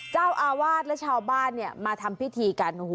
เจ้าอาวาสและชาวบ้านเนี่ยมาทำพิธีกัน